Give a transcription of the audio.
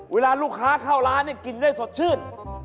เวลาลูกค้าเข้าร้านกินได้สดชื่น